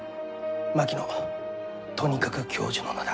槙野とにかく教授の名だ。